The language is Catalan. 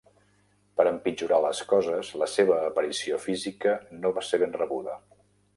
Per empitjorar les coses, la seva aparició física no va ser ben rebuda.